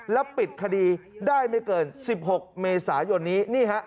แล้วปิดคดีได้ไม่เกิน๑๖เมษายนนี้